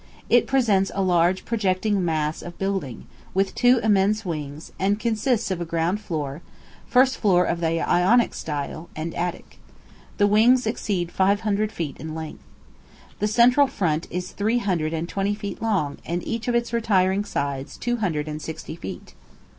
"It presents a large projecting mass of building, with two immense wings, and consists of a ground floor, first floor of the Ionic style, and attic. The wings exceed five hundred feet in length. The central front is three hundred and twenty feet long, and each of its retiring sides two hundred and sixty feet.